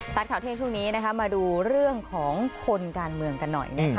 สารข่าวเทศช่วงนี้มาดูเรื่องของคนการเมืองกันหน่อย